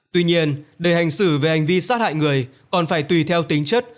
tuy nhiên để hành xử về hành vi sát hại người còn phải tùy theo tính chất